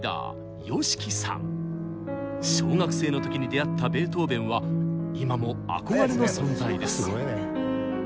小学生の時に出会ったベートーベンは今も憧れの存在です。